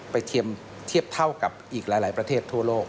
เทียบเท่ากับอีกหลายประเทศทั่วโลก